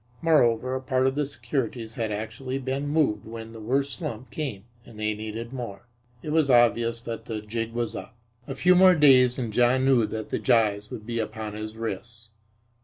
Moreover, a part of the securities had actually been moved when the worst slump came and they needed more. It was obvious that the jig was up. A few more days and John knew that the gyves would be upon his wrists.